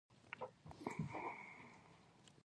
پنځه میلیونه د مسو سکې.